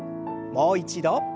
もう一度。